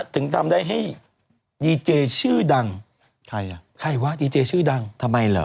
ถึงทำได้ให้ดีเจชื่อดังใครอ่ะใครวะดีเจชื่อดังทำไมเหรอ